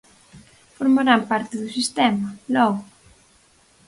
Formarán parte do sistema, logo.